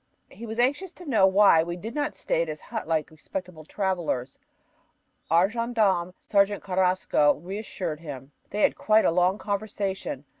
He was anxious to know why we did not stay at his hut like respectable travelers. Our gendarme, Sergeant Carrasco, reassured him. They had quite a long conversation.